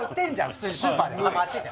普通にスーパーでハマチって。